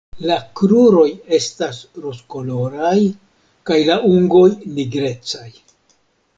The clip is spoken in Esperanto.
La kruroj estas rozkoloraj kaj la ungoj nigrecaj.